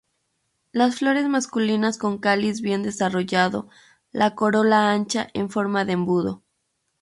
Las flores masculinas con cáliz bien desarrollado, la corola ancha en forma de embudo.